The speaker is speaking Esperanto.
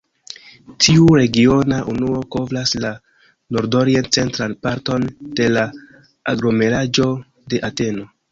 Tiu regiona unuo kovras la nordorient-centran parton de la aglomeraĵo de Ateno.